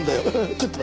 ちょっと。